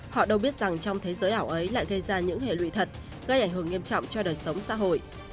họ đâu biết rằng trong thế giới ảo ấy lại gây ra những hệ lụy thật gây ảnh hưởng nghiêm trọng cho đời sống xã hội